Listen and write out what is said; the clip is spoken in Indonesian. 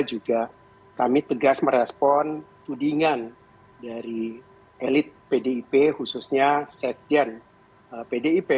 juga kami tegas merespon tudingan dari elit pdip khususnya sekjen pdip